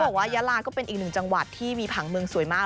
บอกว่ายาลาก็เป็นอีกหนึ่งจังหวัดที่มีผังเมืองสวยมาก